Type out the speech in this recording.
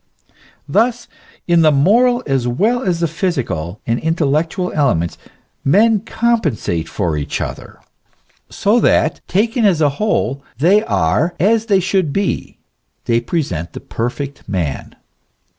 Thus, in the moral as well as the physical and intellectual elements, men compensate for each other, so that taken as a whole they are as they should be, they present the perfect man.